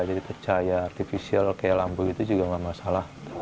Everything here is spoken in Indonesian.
jadi cahaya artificial kayak lampu itu juga nggak masalah